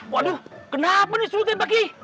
waduh kenapa nih surutnya pak kyai